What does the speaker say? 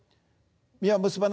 実は結ばないよ。